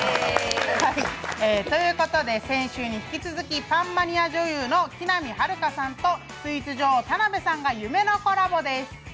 先週に引き続きパンマニア女優の木南晴夏さんとスイーツ女王・田辺さんが夢のコラボです。